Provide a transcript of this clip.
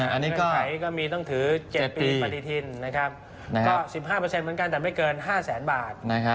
อันนี้ก็หายก็มีต้องถือ๗ปีปฏิทินนะครับก็๑๕เหมือนกันแต่ไม่เกิน๕แสนบาท